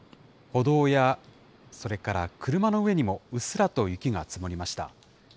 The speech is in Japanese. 歩道やそれから車の上にも、うっすらと雪が積もりました。